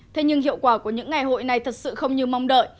thế nhưng hiệu quả của những ngày hội này thật sự không như mong đợi